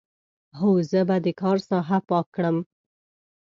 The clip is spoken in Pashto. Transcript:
هو، زه به د کار ساحه پاک کړم.